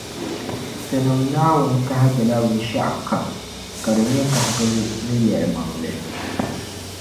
Tinim’ Naawuni kahigila binshɛɣu kam ka di nyɛ kahigibu ni yεlimaŋli.